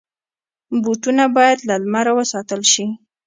بوټونه باید له لمره وساتل شي.